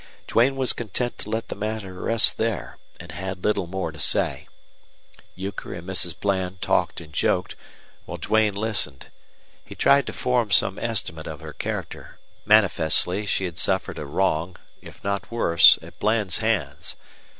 Duane was content to let the matter rest there, and had little more to say. Euchre and Mrs. Bland talked and joked, while Duane listened. He tried to form some estimate of her character. Manifestly she had suffered a wrong, if not worse, at Bland's hands.